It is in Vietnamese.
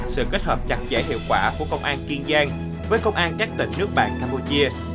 sự kết hợp chặt chẽ hiệu quả của công an kiên giang với công an các tỉnh nước bạn campuchia